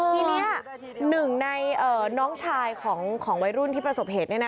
ทีนี้หนึ่งในน้องชายของวัยรุ่นที่ประสบเหตุ